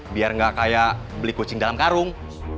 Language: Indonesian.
biar nggak kayak beli kucing dalam karung